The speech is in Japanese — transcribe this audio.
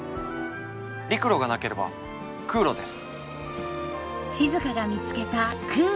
陸路がなければ空路です。